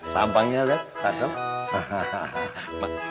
lampangnya lihat kakek